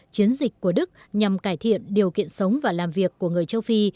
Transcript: chiến dịch của đức nhằm cải thiện điều kiện sống và làm việc của người châu phi